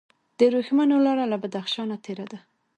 د ورېښمو لاره له بدخشان تیریده